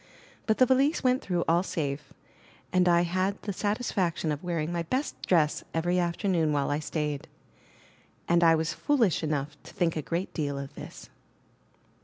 But the valise went through all safe, and I had the satisfaction of wearing my best dress every after noon while I stayed; and I was foolish enough to think a great deal of this.